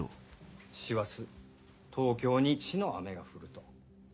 「師走東京に血の雨が降る」と。